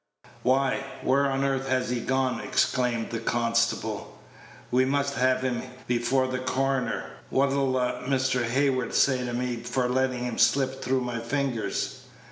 "Why, where on earth has he gone?" exclaimed the constable. "We must have him before the coroner. What'll Mr. Hayward say to me for letting him slip through my fingers?"